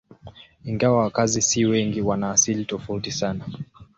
Ingawa wakazi si wengi, wana asili tofauti sana.